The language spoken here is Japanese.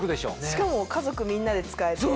しかも家族みんなで使えて。